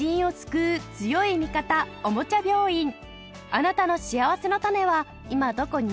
あなたのしあわせのたねは今どこに？